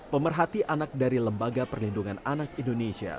pemerhati anak dari lembaga perlindungan anak indonesia